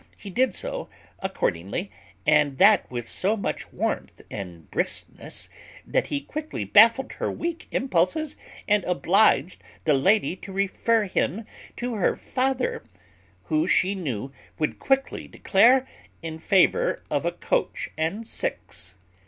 He did so accordingly, and that with so much warmth and briskness, that he quickly baffled her weak repulses, and obliged the lady to refer him to her father, who, she knew, would quickly declare in favour of a coach and six.